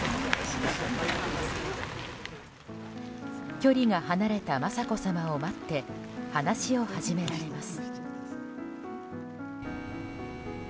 距離が離れた雅子さまを待って話を始められます。